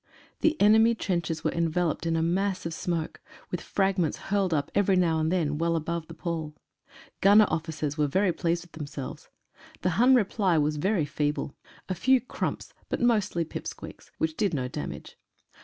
The enemy trenches were en veloped in a mass of smoke, with fragments hurled up every now and then, well above the pall. Gunner officers were very pleased with themselves. The Hun reply was very feeble — a few "krumps," but mostly "pip squeaks," which did no damage.